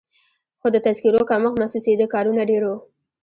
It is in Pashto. خو د تذکیرو کمښت محسوسېده، کارونه ډېر وو.